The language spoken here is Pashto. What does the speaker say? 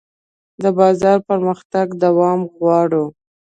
د بازار پرمختګ دوام غواړي.